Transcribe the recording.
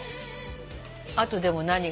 あとでも何がある？